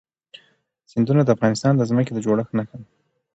سیندونه د افغانستان د ځمکې د جوړښت نښه ده.